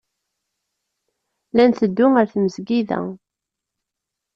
La nteddu ar tmesgida.